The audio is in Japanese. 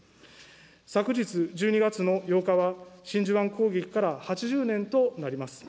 昨日１２月の８日は、真珠湾攻撃から８０年となります。